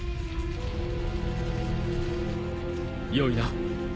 よいな？